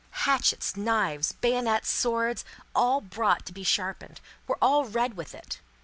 Hatchets, knives, bayonets, swords, all brought to be sharpened, were all red with it.